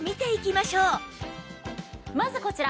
まずこちら。